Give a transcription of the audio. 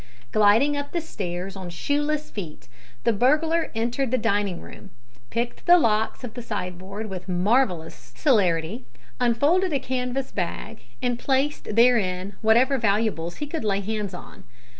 Gliding up the stairs on shoeless feet the burglar entered the dining room, picked the locks of the sideboard with marvellous celerity, unfolded a canvas bag, and placed therein whatever valuables he could lay hands on.